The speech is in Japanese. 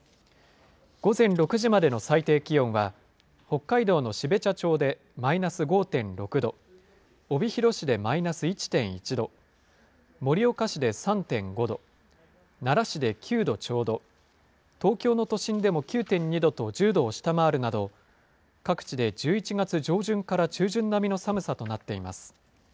午前６時までの最低気温は北海道の標茶町でマイナス５．６度、帯広市でマイナス１．１度、盛岡市で３．５度、奈良市で９度ちょうど、東京の都心でも９．２度と１０度を下回るなど、各地で１１月上旬から中旬並みの寒さとなっています。